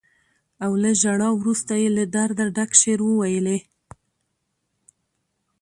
او له ژړا وروسته یې له درده ډک شعر وويلې.